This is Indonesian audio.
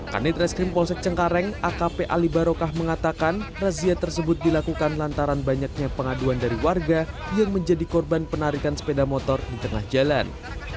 kanit reskrim polsek cengkareng akp ali barokah mengatakan razia tersebut dilakukan lantaran banyaknya pengaduan dari warga yang menjadi korban penarikan sepeda motor di tengah jalan